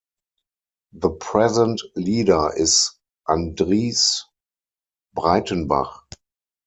The present leader is Andries Breytenbach.